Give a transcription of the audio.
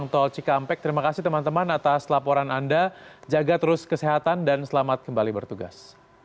tol cikampek terima kasih teman teman atas laporan anda jaga terus kesehatan dan selamat kembali bertugas